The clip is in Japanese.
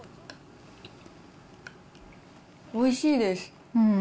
おいしいです。